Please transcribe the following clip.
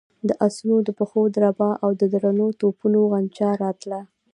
د آسونو د پښو دربا او د درنو توپونو غنجا راتله.